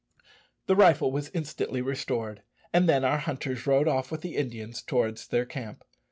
The rifle was instantly restored, and then our hunters rode off with the Indians towards their camp.